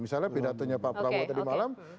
misalnya pidatonya pak prabowo tadi malam